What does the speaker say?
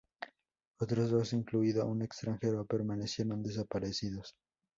Otros dos, incluido un extranjero, permanecieron desaparecidos.